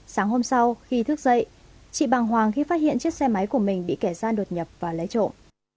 sáng hôm sau khi thức dậy chị bàng hoàng khi phát hiện chiếc xe máy của mình bị kẻ gian đột nhập và lấy trộm